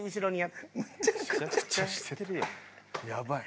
やばい。